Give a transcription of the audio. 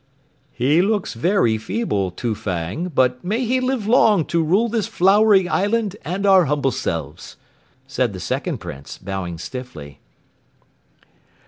"He looks very feeble, Too Fang, but may he live long to rule this flowery island and our humble selves!" said the second Prince, bowing stiffly.